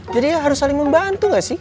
jadi harus saling membantu gak sih